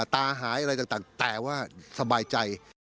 ตายหายอะไรต่างแต่ว่าสบายใจ